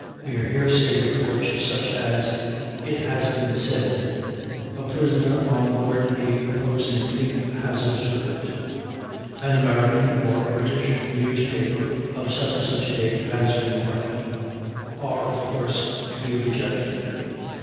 Mere hearsay reports, such as "it has been said," "a prisoner on board the opposing fleet has observed," "an American (or British) newspaper of such and such a date has remarked," are of course to be rejected.